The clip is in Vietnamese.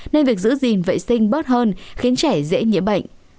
nên việc giữ gìn vệ sinh bớt hơn khiến trẻ dễ nhiễm bệnh